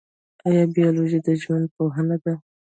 ایا بیولوژي د ژوند پوهنه ده؟